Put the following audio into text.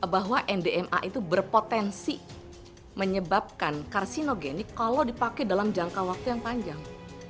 bahwa ndma itu berpotensi menyebabkan karsinogenik kalau dipakai dalam jangka waktu yang panjang